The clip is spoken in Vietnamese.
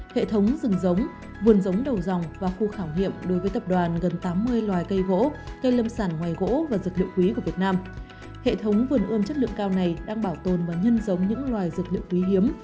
hệ thống vườn ươm chất lượng cao này đang bảo tồn và nhân giống những loài dược liệu quý hiếm